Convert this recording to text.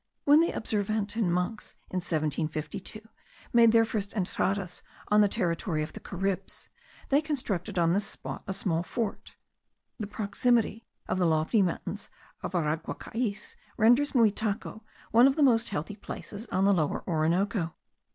When the Observantin monks in 1752 made their first entradas on the territory of the Caribs, they constructed on this spot a small fort. The proximity of the lofty mountains of Araguacais renders Muitaco one of the most healthy places on the Lower Orinoco.